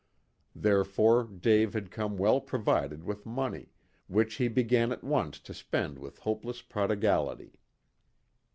Therefore Dave had come well provided with money, which he began at once to spend with hopeless prodigality.